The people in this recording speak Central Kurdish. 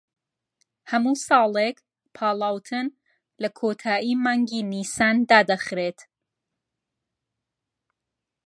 هەموو ساڵێک پاڵاوتن لە کۆتایی مانگی نیسان دادەخرێت